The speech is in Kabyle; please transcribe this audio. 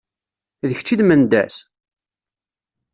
D kečč i d Mendas?